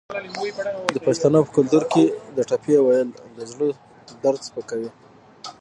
د پښتنو په کلتور کې د ټپې ویل د زړه درد سپکوي.